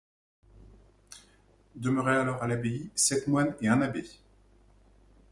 Demeuraient alors à l'abbaye sept moines et un abbé.